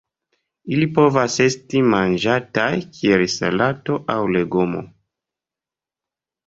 Ili povas esti manĝataj kiel salato aŭ legomo.